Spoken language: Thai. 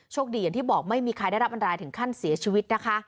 อย่างที่บอกไม่มีใครได้รับอันตรายถึงขั้นเสียชีวิตนะคะ